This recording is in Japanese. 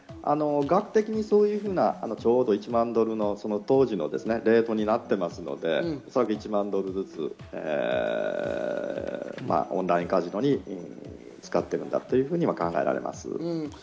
額的にちょうど１万ドルの当時のレートになっていますので、おそらく１万ドルずつオンラインカジノに使ってるんだというふうに考えられます。